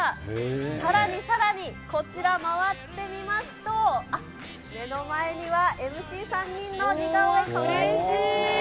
さらにさらに、こちら回ってみますと、あっ、目の前には、ＭＣ３人の似顔絵。